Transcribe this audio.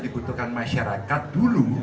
dibutuhkan masyarakat dulu